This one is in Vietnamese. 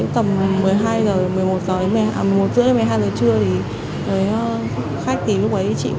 trong tầm một mươi hai h một mươi một h một mươi một h ba mươi một mươi hai h trưa khách thì lúc ấy chỉ có